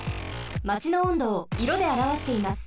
マチの温度をいろであらわしています。